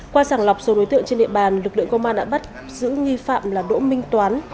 qua sàng lọc số đối tượng trên địa bàn lực lượng công an đã bắt giữ nghi phạm là đỗ minh toán